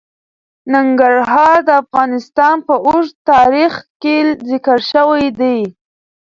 ننګرهار د افغانستان په اوږده تاریخ کې ذکر شوی دی.